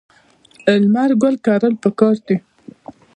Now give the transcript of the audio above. لمر ګل کرل پکار دي.